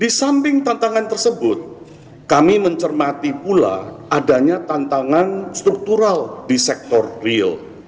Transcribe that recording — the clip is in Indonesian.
di samping tantangan tersebut kami mencermati pula adanya tantangan struktural di sektor real